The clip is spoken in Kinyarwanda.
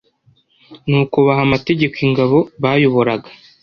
nuko baha amategeko ingabo bayoboraga